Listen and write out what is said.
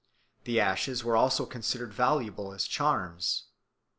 The ashes were also considered valuable as charms."